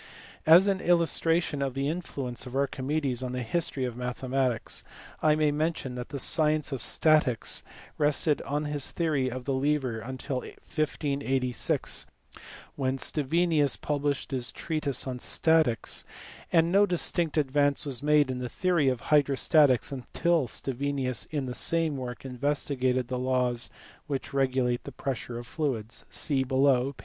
As an illustration of the influence of Archimedes on the history of mathematics I may mention that the science of statics rested on his theory of the lever until 1586 when Stevinus published his treatise on statics; and no distinct advance was made in the theory of hydrostatics until Stevinus in the same work investigated the laws which regulate the pressure of fluids (see below, p.